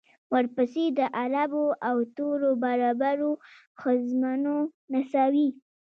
ورپسې د عربو او تورو بربرو ښځمنو نڅاوې.